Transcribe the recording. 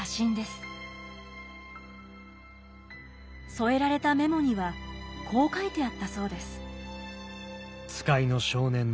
添えられたメモにはこう書いてあったそうです。